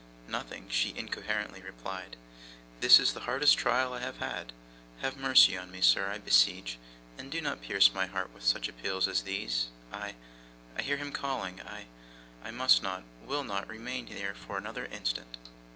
'Nothing,' she incoherently replied. 'This is the hardest trial I have had. Have mercy on me, sir, I beseech, and do not pierce my heart with such appeals as these. I I hear him calling. I I must not, will not, remain here for another instant.